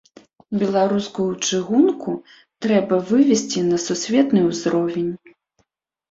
Беларускую чыгунку трэба вывесці на сусветны ўзровень.